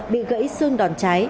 bị gãy xương đòn trái